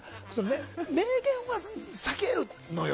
明言はさけるのよ